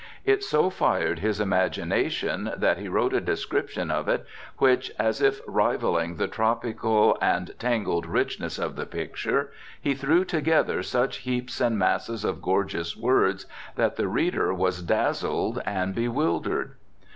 It so fired his imagination that he wrote a description of it, in which, as if rivalling the tropical and tangled richness of the picture, he threw together such heaps and masses of gorgeous words that the reader was dazzled and bewildered.